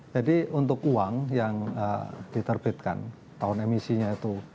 jadi untuk uang yang diterbitkan tahun emisinya itu